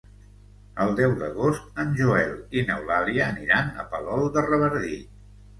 El deu d'agost en Joel i n'Eulàlia aniran a Palol de Revardit.